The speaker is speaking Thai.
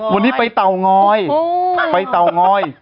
วันนี้ไปเตางอยไปเตางอย